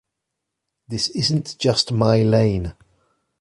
This isn’t just my lane.